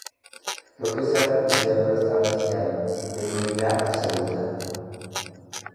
Lo que sea renunciado está viciado de nulidad absoluta.